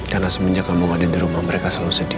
karena semenjak kamu ada di rumah mereka selalu sedih